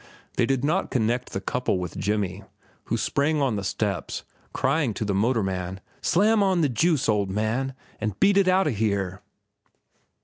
They did not connect the couple with Jimmy, who sprang on the steps, crying to the motorman: "Slam on the juice, old man, and beat it outa here!"